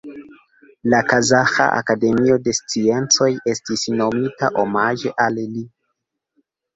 La Kazaĥa Akademio de Sciencoj estis nomita omaĝe al li.